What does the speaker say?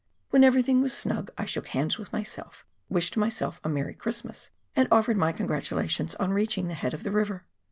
When everything was snug, T shook hands with myself, wished myself a " happy Christmas," and offered my congratu lations on reaching the head of the river.